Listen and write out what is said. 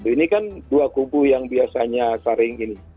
ini kan dua kubu yang biasanya saring ini